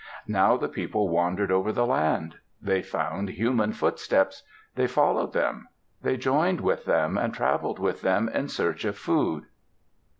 Now the people wandered over the land. They found human footsteps. They followed them. They joined with them, and traveled with them in search of food.